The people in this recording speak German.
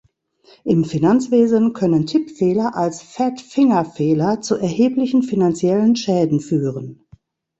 Im Finanzwesen können Tippfehler als Fat-Finger-Fehler zu erheblichen finanziellen Schäden führen.